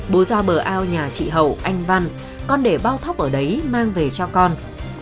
bố ra bờ ao nhà chị hậu anh văn con để bao thóc ở đấy mang về cho con